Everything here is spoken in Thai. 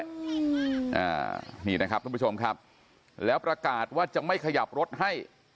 อ่านี่นะครับทุกผู้ชมครับแล้วประกาศว่าจะไม่ขยับรถให้